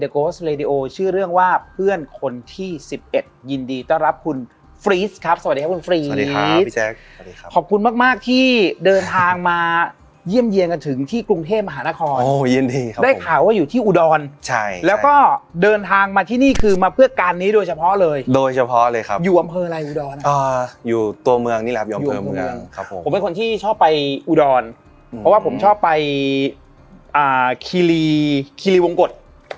ขอบคุณมากที่เดินทางมาเยี่ยมเยี่ยมกันถึงที่กรุงเทพมหานครโอ้ยินดีครับได้ข่าวว่าอยู่ที่อุดอนใช่แล้วก็เดินทางมาที่นี่คือมาเพื่อการนี้โดยเฉพาะเลยโดยเฉพาะเลยครับอยู่อำเภออะไรอุดอนอ่าอยู่ตัวเมืองนี่แหละอยู่อำเภอเมืองครับผมเป็นคนที่ชอบไปอุดอนเพราะว่าผมชอบไปอ่าคีรีคีรีวงกฎอ๋ออออออออออ